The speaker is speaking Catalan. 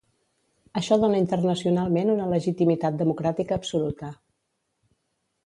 Això dóna internacionalment una legitimitat democràtica absoluta.